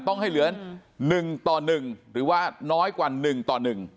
ต้องให้เหลือ๑ต่อ๑หรือว่าน้อยกว่า๑ต่อ๑